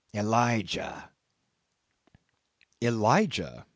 "Elijah." Elijah!